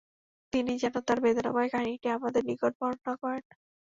তিনি যেন তার বেদনাময় কাহিনীটি আমাদের নিকট বর্ণনা করেন।